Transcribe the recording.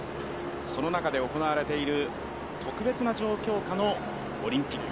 その中で行われている特別な状況下のオリンピック。